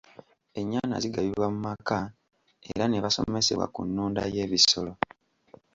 Ennyana zigabibwa mu maka era ne basomesebwa ku nnunda y'ebisolo.